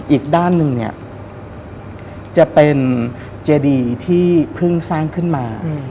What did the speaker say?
อีกด้านหนึ่งเนี่ยจะเป็นเจดีที่เพิ่งสร้างขึ้นมา